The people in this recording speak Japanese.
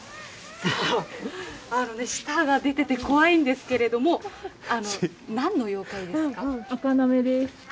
さあ、あのね、舌が出てて怖いんですけれども、なんの妖怪ですか？